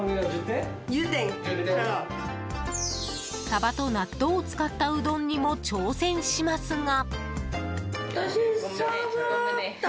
サバと納豆を使ったうどんにも挑戦しますが。